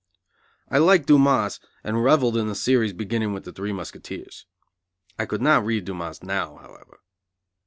I liked Dumas, and revelled in the series beginning with The Three Musketeers. I could not read Dumas now, however.